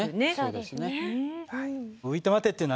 そうですね。